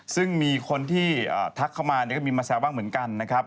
ซึ่งมีคนที่ทักเข้ามาก็มีมาแซวบ้างเหมือนกันนะครับ